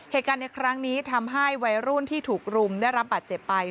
เหตุการณ์ในครั้งนี้ทำให้วัยรุ่นที่ถูกรุมได้รับบาดเจ็บไป